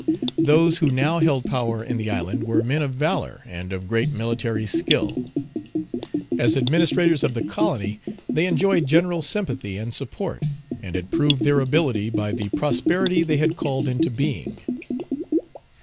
Those who now held power in the island were men of valor and of great military skill. As administrators of the colony they enjoyed general sympathy and support, and had proved their ability by the prosperity they had called into being.